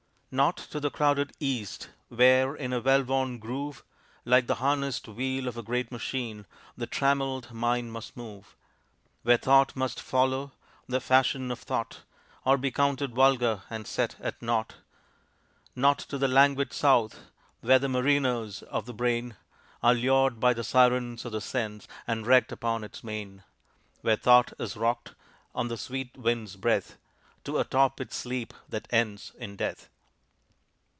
"] Not to the crowded East, Where, in a well worn groove, Like the harnessed wheel of a great machine, The trammeled mind must move Where Thought must follow the fashion of Thought, Or be counted vulgar and set at naught. Not to the languid South, Where the mariners of the brain Are lured by the Sirens of the Sense, And wrecked upon its main Where Thought is rocked, on the sweet wind's breath, To a torpid sleep that ends in death.